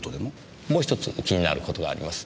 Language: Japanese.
もう一つ気になることがあります。